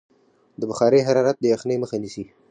د بخارۍ حرارت د یخنۍ مخه نیسي.